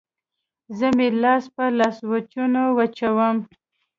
زه مې لاس په لاسوچوني وچوم